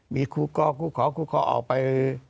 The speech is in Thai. มีครูกครูขครูขออกไป